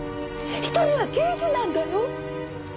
１人は刑事なんだよ？